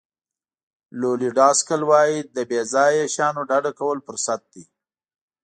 لولي ډاسکل وایي له بې ځایه شیانو ډډه کول فرصت دی.